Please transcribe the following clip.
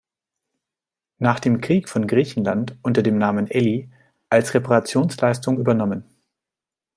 Nach dem Krieg von Griechenland unter dem Namen "Elli" als Reparationsleistung übernommen.